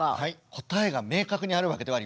答えが明確にあるわけではありません。